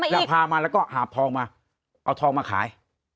แล้วพามาแล้วก็หาบทองมาเอาทองมาขาย